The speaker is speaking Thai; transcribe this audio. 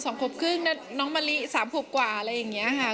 สองขวบครึ่งนะน้องมะลิสามขวบกว่าอะไรอย่างเงี้ยค่ะ